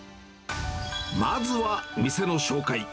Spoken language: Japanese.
まずは店の紹介。